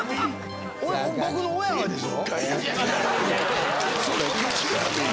・僕の親なんでしょ？